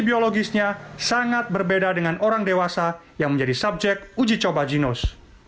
biologisnya sangat berbeda dengan orang dewasa yang menjadi subjek uji coba ginos